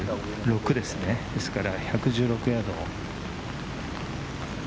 ですから、１１６ヤード。